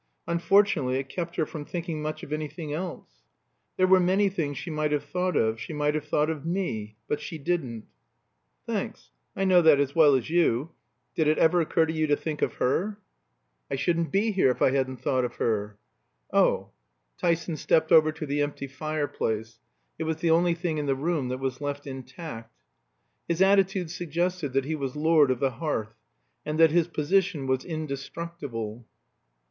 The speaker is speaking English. Unfortunately, it kept her from thinking much of anything else. There were many things she might have thought of she might have thought of me. But she didn't." "Thanks. I know that as well as you. Did it ever occur to you to think of her?" "I shouldn't be here if I hadn't thought of her." "Oh " Tyson stepped over to the empty fireplace. It was the only thing in the room that was left intact. His attitude suggested that he was lord of the hearth, and that his position was indestructible.